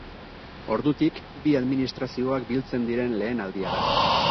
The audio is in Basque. Ordutik, bi administrazioak biltzen diren lehen aldia da.